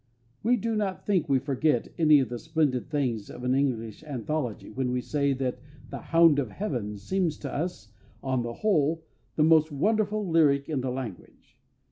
We do not think we forget any of the splendid things of an English anthology when we say that The Hound of Heaven seems to us, on the whole, the most wonderful lyric in the language.